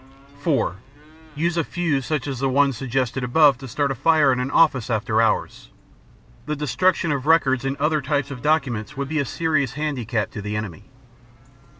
(4) Use a fuse such as; the ones suggested above to start a fire in an office after hours. The destruction of records and other types of documents would be a serious handicap to the enemy.